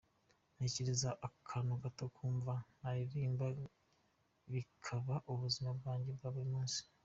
Ntekereza akantu gato nkumva nakaririmba bikaba ubuzima bwanjye bwa buri munsi.